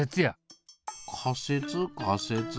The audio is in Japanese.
仮説仮説。